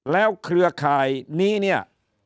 แล้วเครือข่ายนี้เนี่ย